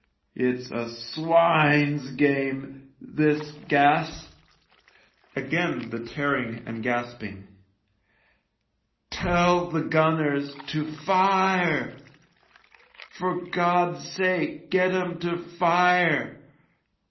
It's a swine's game, this gas " Again the tearing and gasping. 54 THE LIEUTENANT " Tell the gunners to fire. For God's sake get 'em to fire.